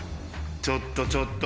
ちょっとちょっと！